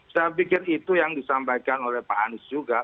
saya pikir itu yang disampaikan oleh pak anies juga